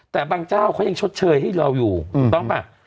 แต่บางเจ้าเขายังชดเชยให้เราอยู่ถูกต้องป่ะ